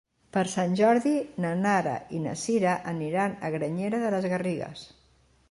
Per Sant Jordi na Nara i na Sira aniran a Granyena de les Garrigues.